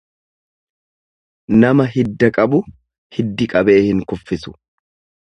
Nama hidda qabu hiddi qabee hin kuffisu.